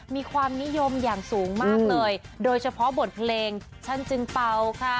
มีความนิยมอย่างสูงมากเลยโดยเฉพาะบทเพลงฉันจึงเป่าค่ะ